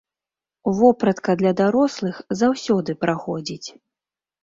Вопратка для дарослых заўсёды праходзіць.